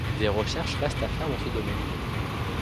Des recherches restent à faire dans ce domaine.